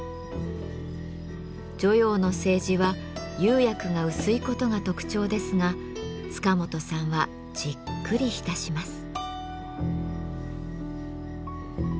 汝窯の青磁は釉薬が薄いことが特徴ですが塚本さんはじっくり浸します。